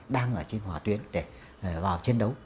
những người đang ở trên hòa tuyến để vào chiến đấu